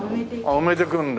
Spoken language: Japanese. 埋めていくんだ。